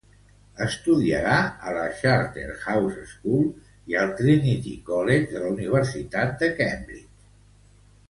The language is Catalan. Estudiarà a la Charterhouse School i al Trinity College de la Universitat de Cambridge.